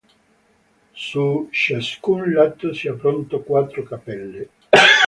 Su ciascun lato si aprono quattro cappelle.